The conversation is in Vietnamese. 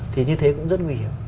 thì như thế cũng rất nguy hiểm